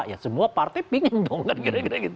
ya semua partai pingin dong kan kira kira gitu